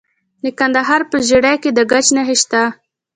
د کندهار په ژیړۍ کې د ګچ نښې شته.